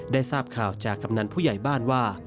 ทราบข่าวจากกำนันผู้ใหญ่บ้านว่า